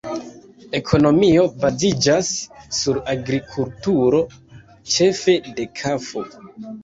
Ekonomio baziĝas sur agrikulturo, ĉefe de kafo.